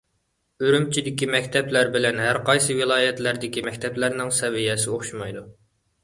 ئۈرۈمچىدىكى مەكتەپلەر بىلەن ھەر قايسى ۋىلايەتلەردىكى مەكتەپلەرنىڭ سەۋىيەسى ئوخشىمايدۇ.